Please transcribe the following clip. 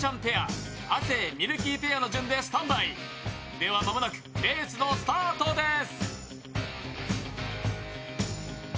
では間もなくレースのスタートです。